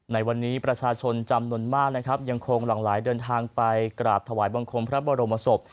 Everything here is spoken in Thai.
ในวันนี้ประชาชนจำนวนมากนะครับยังคงหลั่งไหลเดินทางไปกราบถวายบังคมพระบรมศพ